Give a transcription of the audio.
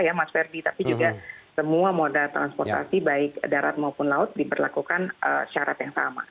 ya mas ferdi tapi juga semua moda transportasi baik darat maupun laut diberlakukan syarat yang sama